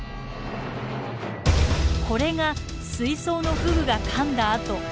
これが水槽のフグがかんだ跡。